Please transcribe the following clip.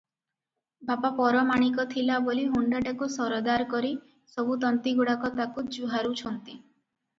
ବାପା ପରମାଣିକ ଥିଲା ବୋଲି ହୁଣ୍ତାଟାକୁ ସରଦାର କରି ସବୁ ତନ୍ତୀଗୁଡ଼ାକ ତାକୁ ଜୁହାରୁଛନ୍ତି ।